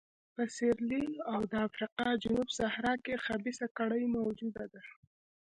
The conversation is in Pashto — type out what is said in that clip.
په سیریلیون او د افریقا جنوب صحرا کې خبیثه کړۍ موجوده ده.